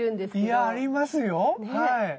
いやありますよはい。